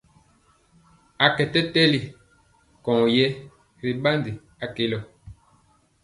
A kɛ tɛli ŋgwɔŋ yɛ ri ɓandi a kelɔ.